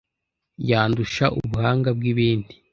Yandusha ubuhanga bwibindi